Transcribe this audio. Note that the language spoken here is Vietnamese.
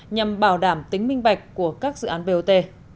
nhằm bảo đảm tính minh bạch của các dự án bot